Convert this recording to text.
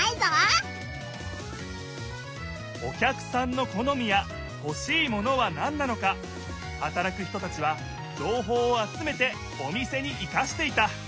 お客さんの好みやほしいものは何なのかはたらく人たちは情報を集めてお店に活かしていた！